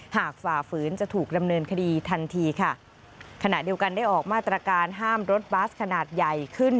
ฝ่าฝืนจะถูกดำเนินคดีทันทีค่ะขณะเดียวกันได้ออกมาตรการห้ามรถบัสขนาดใหญ่ขึ้น